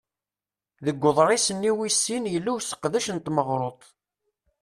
Deg uḍṛis-nni wis sin yella useqdec n tmeɣruḍt.